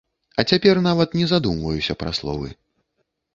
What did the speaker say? А цяпер нават не задумваюся пра словы.